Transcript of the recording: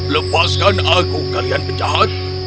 lepaskan aku kalian penjahat